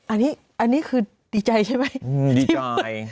อันนี้คือดีใจใช่ไหมดีใจ